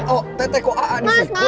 oh tete kok aa disikut